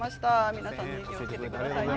皆さん、気をつけてくださいね。